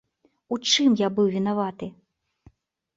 У чым я быў вінаваты?